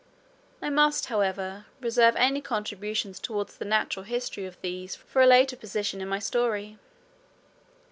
I must, however, reserve any contributions towards the natural history of these for a later position in my story.